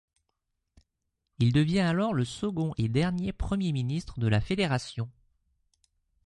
Il devient alors le second et dernier Premier ministre de la Fédération.